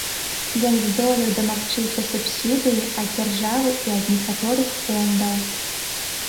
Ён здолеў дамагчыся субсідыі ад дзяржавы і ад некаторых фондаў.